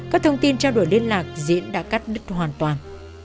các thông tin trao đổi liên lạc diễn đã cắt đứt hoàn toàn